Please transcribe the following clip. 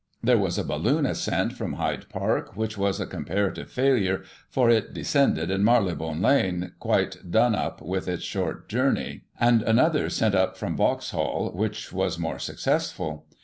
There was a balloon ascent from Hyde Park, which was a comparative failure, for it descended in Marylebone Lane, quite done up with its short journey, and another sent up from Vauxhall, which was more successful.